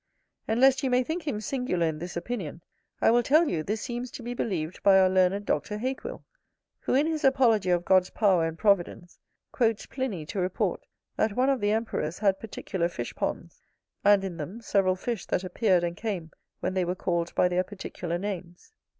And lest you may think him singular in this opinion, I will tell you, this seems to be believed by our learned Doctor Hakewill, who in his Apology of God's power and providence, quotes Pliny to report that one of the emperors had particular fish ponds, and, in them, several fish that appeared and came when they were called by their particular names.